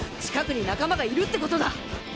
近くに仲間がいるってことだ。